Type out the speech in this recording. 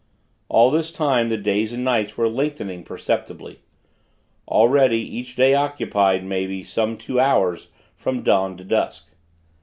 All this time, the days and nights were lengthening, perceptibly. Already, each day occupied, maybe, some two hours from dawn to dusk.